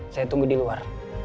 saya tunggu di luar